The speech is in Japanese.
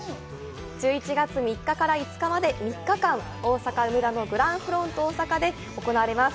１１月３日から５日まで３日間、大阪梅田のグランフロント大阪で行われます。